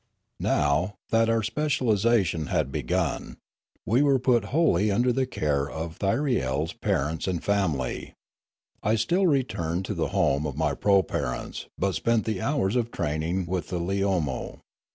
Now, that our specialisation had begun, we were put wholly under the care of ThyriePs parents and family. I still returned to the home of ray proparents, but spent the hours of training with the Leomo.